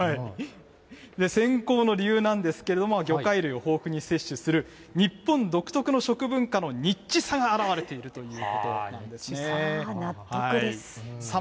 選考の理由なんですけれども、魚介類を豊富に摂取する日本独特の食文化のニッチさが表れているニッチさ。